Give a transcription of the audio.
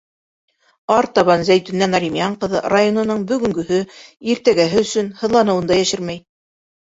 Артабан Зәйтүнә Наримйән ҡыҙы районының бөгөнгөһө, иртәгәһе өсөн һыҙланыуын да йәшермәй.